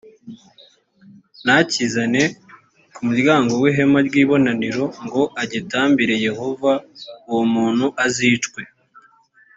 ntakizane ku muryango w’ihema ry’ibonaniro ngo agitambire yehova uwo muntu azicwe